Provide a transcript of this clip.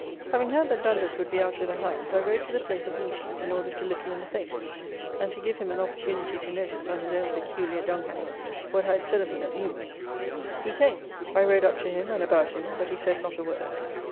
Having heard that Dundas would be out with the hounds, I rode to the place of meeting, in order to look him in the face, and to give him an opportunity to notice, on his own peculiar dunghill, what I had said of him at Newbury. He came. I rode up to him and about him; but he said not a word.